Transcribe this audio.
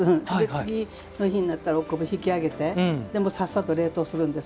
次の日になったらお昆布を引き上げてさっさと冷凍するんです